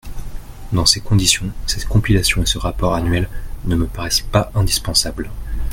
Dans ces conditions, cette compilation et ce rapport annuel ne me paraissent pas indispensables.